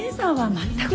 全く。